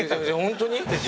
本当に？